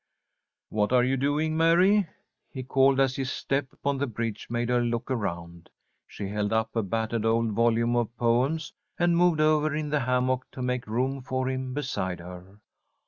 "What are you doing, Mary?" he called, as his step on the bridge made her look around. She held up a battered old volume of poems, and moved over in the hammock to make room for him beside her.